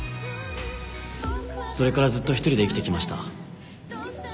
それからずっと一人で生きてきました